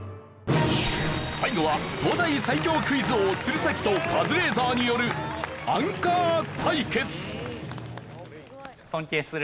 最後は東大最強クイズ王鶴崎とカズレーザーによるアンカー対決。